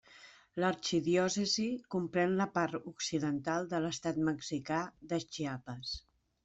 L'arxidiòcesi comprèn la part occidental de l'estat mexicà de Chiapas.